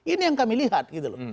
ini yang kami lihat